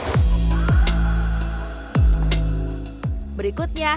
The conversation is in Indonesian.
sampai jumpa di video selanjutnya